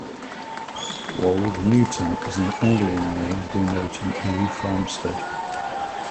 Wold Newton is an Anglian name denoting a new farmstead.